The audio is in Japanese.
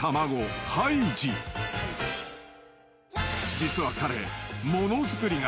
［実は彼］